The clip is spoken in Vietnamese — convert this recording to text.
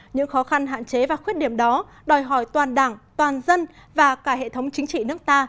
những khó khăn hạn chế và khuyết điểm đó đòi hỏi toàn đảng toàn dân và cả hệ thống chính trị nước ta